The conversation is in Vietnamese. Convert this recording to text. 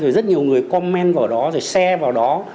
rồi rất nhiều người comment vào đó rồi share vào đó